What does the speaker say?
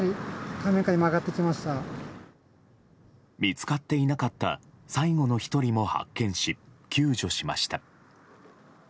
見つかっていなかった最後の１人も発見し救助しました。